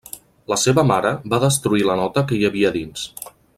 La seva mare va destruir la nota que hi havia dins.